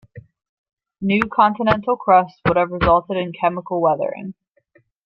New continental crust would have resulted in chemical weathering.